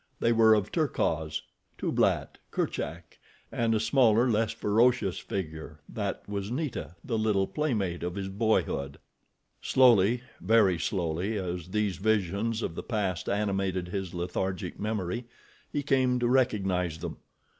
They were of Terkoz, Tublat, Kerchak, and a smaller, less ferocious figure, that was Neeta, the little playmate of his boyhood. Slowly, very slowly, as these visions of the past animated his lethargic memory, he came to recognize them.